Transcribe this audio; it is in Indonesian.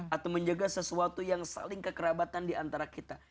atau menjaga sesuatu yang saling kekerabatan di antara kita